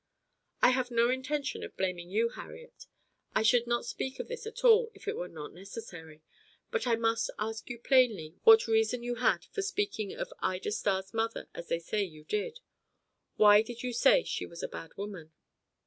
"I have no intention of blaming you, Harriet; I should not speak of this at all, if it were not necessary. But I must ask you plainly what reason you had for speaking of Ida Starr's mother as they say you did. Why did you say she was a bad woman?"